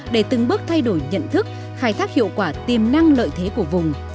để từng bước thay đổi nhận thức khai thác hiệu quả tiềm năng lợi thế của vùng